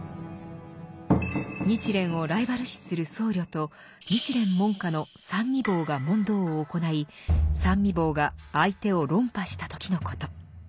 日蓮をライバル視する僧侶と日蓮門下の三位房が問答を行い三位房が相手を論破した時のこと。